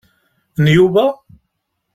N Yuba?